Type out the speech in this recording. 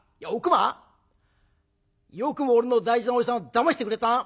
まよくも俺の大事なおじさんをだましてくれたな！